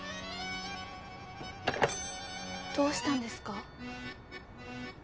どうしたんですか？